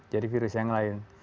jadi virus yang lain